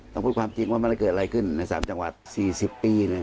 ความจริงความจริงก่อนไม่เห็นเกิดอะไรขึ้นสารจังหวัดสี่สิบปี